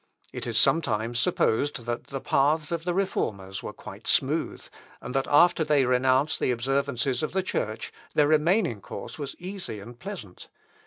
It is sometimes supposed that the paths of the Reformers were quite smooth, and that after they renounced the observances of the Church, their remaining course was easy and pleasant.